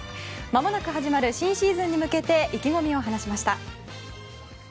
まもなく始まる新シーズンに向けて意気込みを話しました。